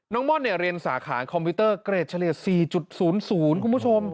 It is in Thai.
ม่อนเรียนสาขาคอมพิวเตอร์เกรดเฉลี่ย๔๐๐คุณผู้ชม